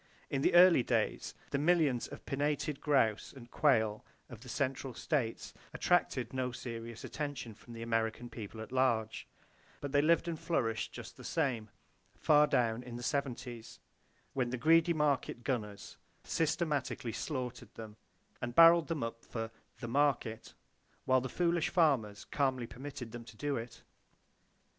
In the early days, the millions of pinnated grouse and quail of the central states attracted no serious attention from the American people at large; but they lived and flourished just the same, far down in the seventies, when the greedy market gunners systematically slaughtered them, and barreled them up for "the market," while the foolish farmers calmly permitted them to do it.